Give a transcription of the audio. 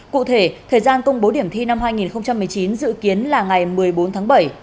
cụ thể thời gian công bố điểm thi năm hai nghìn một mươi chín dự kiến là ngày một mươi bốn tháng bảy